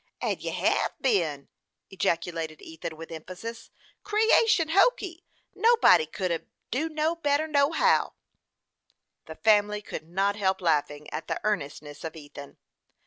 "And you hev been!" ejaculated Ethan, with emphasis. "Creation hokee! nobody couldn't do no better, nohow!" The family could not help laughing at the earnestness of Ethan.